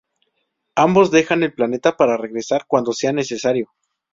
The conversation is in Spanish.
Ambos dejan el planeta para regresar cuando sea necesario.